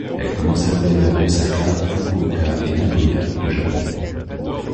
Elle commence à voler vers Ōsaka, Fukuoka et Nagoya, au Japon.